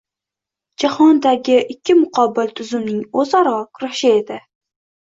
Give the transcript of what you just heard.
Jahondagi ikki muqobil tuzumning o‘zaro kurashi edi.